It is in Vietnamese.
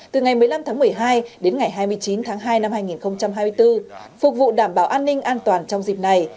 từ ngày một mươi năm tháng một mươi hai đến ngày hai mươi chín tháng hai năm hai nghìn hai mươi bốn phục vụ đảm bảo an ninh an toàn trong dịp này